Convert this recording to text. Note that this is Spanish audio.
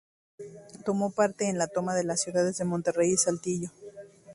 Tomó parte en la toma de las ciudades de Monterrey y Saltillo.